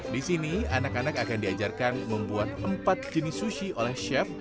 di sini anak anak akan diajarkan membuat empat jenis sushi oleh chef